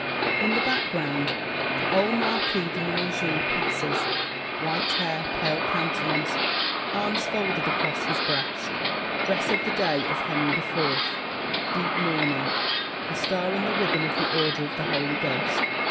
[In the background, the old Marquis de Nangis passes; white hair, pale countenance, arms folded across his breast, dress of the day of Henry IV.: deep mourning; the star and the ribbon of the order of the Holy Ghost.